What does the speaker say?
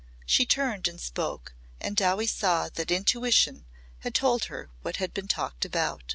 She turned and spoke and Dowie saw that intuition had told her what had been talked about.